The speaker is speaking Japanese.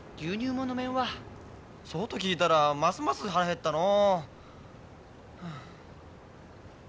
そうと聞いたらますます腹減ったのう。